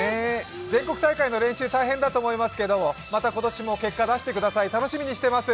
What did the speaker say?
全国大会の練習、大変だと思いますけどまた今年も結果出してください、楽しみにしています。